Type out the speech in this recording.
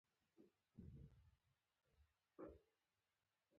که غواړې ماډرن دښمن مات او ماډرن جنګ وګټې.